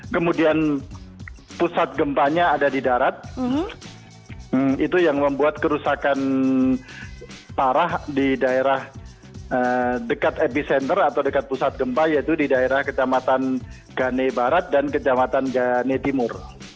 kemudian pusat gempanya ada di darat itu yang membuat kerusakan parah di daerah dekat epicenter atau dekat pusat gempa yaitu di daerah kecamatan gane barat dan kecamatan gane timur